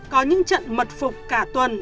có những trận mật phục cả tuần